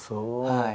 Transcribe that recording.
はい。